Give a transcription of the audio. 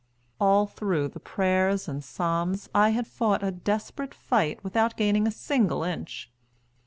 All through the prayers and psalms I had fought a desperate fight without gaining a single inch.